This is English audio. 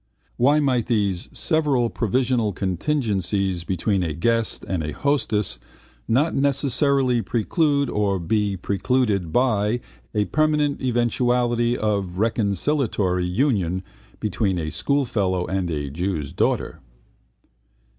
Why might these several provisional contingencies between a guest and a hostess not necessarily preclude or be precluded by a permanent eventuality of reconciliatory union between a schoolfellow and a jew's daughter?